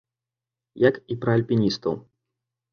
Як і пра альпіністаў.